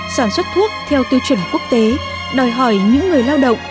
sản xuất thuốc theo tiêu chuẩn quốc tế đòi hỏi những người lao động